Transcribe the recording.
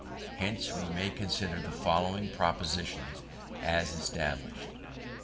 Hence we may consider the following propositions as established: 1.